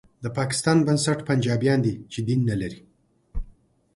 د پاکستان بنسټ پنجابیان دي چې دین نه لري